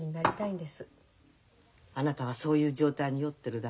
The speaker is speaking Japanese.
あなたはそういう状態に酔ってるだけよ。